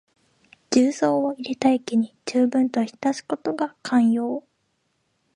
重曹を入れた液にじゅうぶんに浸すことが肝要。